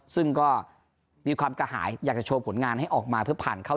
ซึ่งก็มีความกระหายอยากจะโชว์ผลงานให้ออกมาเพื่อผ่านเข้า